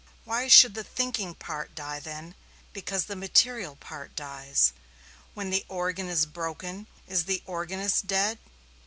Why should the thinking part die then, because the material part dies? When the organ is broken is the organist dead?